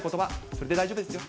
それで大丈夫ですよ。